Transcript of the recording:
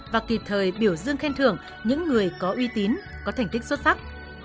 và kịp thời biểu dương khen thưởng những người có uy tín có thành tích xuất sắc